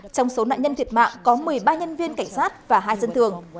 trong số nạn nhân thiệt mạng có một mươi ba nhân viên cảnh sát và hai dân thường